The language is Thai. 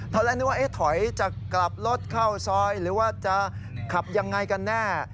ตอนแรกนึกว่าถอยจะกลับรถเข้าซอยหรือว่าจะขับยังไงกันแน่